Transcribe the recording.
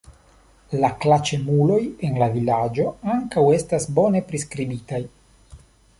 La klaĉemuloj en la vilaĝo ankaŭ estas bone priskribitaj.